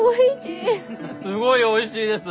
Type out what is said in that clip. すごいおいしいです！